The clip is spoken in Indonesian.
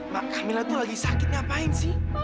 mak kamilah tuh lagi sakit ngapain sih